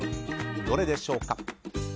どちらでしょうか？